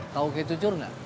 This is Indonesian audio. kau kue cucur gak